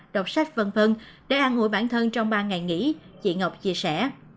đọc sách v v để an hội bản thân trong ba ngày nghỉ chị ngọc chia sẻ